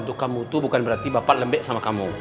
untuk kamu tuh bukan berarti bapak lembek sama kamu